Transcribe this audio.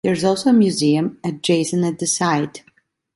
There is also a museum adjacent at the site.